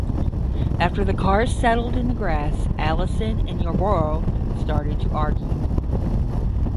After the cars settled in the grass, Allison and Yarborough started to argue.